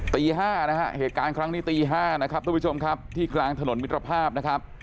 ตี๕นะฮะเหตุการณ์ครั้งนี้ตี๕นะครับทุกผู้ชมครับที่กลางถนนมิตรภาพนะครับ